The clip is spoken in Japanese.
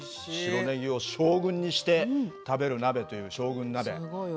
白ネギを将軍にして食べる鍋という将軍鍋。